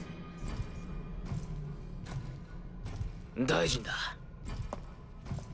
大臣だ。